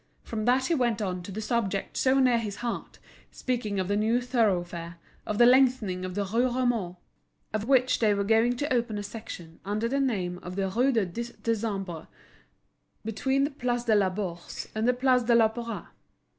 From that he went on to the subject so near his heart, speaking of the new thoroughfare, of the lengthening of the Rue Reaumur, of which they were going to open a section under the name of the Rue du Dix Décembre, between the Place de la Bourse and the Place de l'Opera.